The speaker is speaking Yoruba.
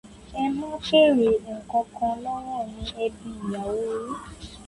Ẹ má bèrè nǹkankan lọ́wọ́ mi, ẹ bi ìyàwó yín.